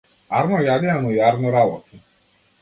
Арно јади, ама и арно работи.